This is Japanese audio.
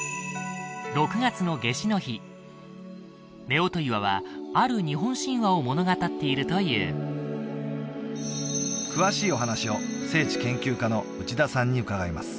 ６月の夏至の日夫婦岩はある日本神話を物語っているという詳しいお話を聖地研究家の内田さんに伺います